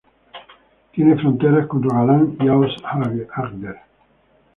Tiene fronteras con Rogaland y Aust-Agder.